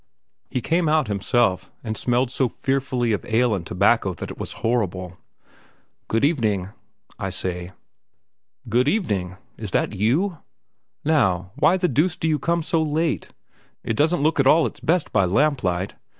He came out himself, and smelt so fearfully of ale and tobacco that it was horrible. "Good evening!" I say. "Good evening! is that you? Now, why the deuce do you come so late? It doesn't look at all its best by lamplight.